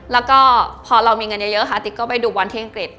แล้วก็พอเรามีเงินเยอะค่ะติ๊กก็ไปดูบอลที่อังกฤษ